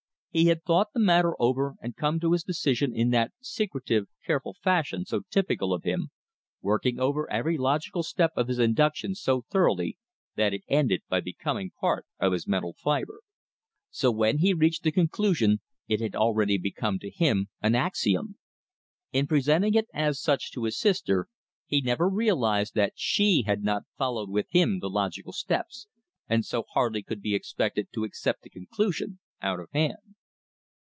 He had thought the matter over and come to his decision in that secretive, careful fashion so typical of him, working over every logical step of his induction so thoroughly that it ended by becoming part of his mental fiber. So when he reached the conclusion it had already become to him an axiom. In presenting it as such to his sister, he never realized that she had not followed with him the logical steps, and so could hardly be expected to accept the conclusion out of hand.